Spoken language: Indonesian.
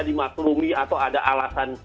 dimaklumi atau ada alasan